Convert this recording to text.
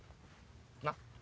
なっ？